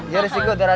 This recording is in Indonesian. jari siku dora